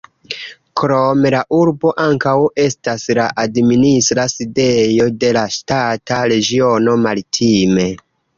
Krome la urbo ankaŭ estas la administra sidejo de la ŝtata regiono "Maritime".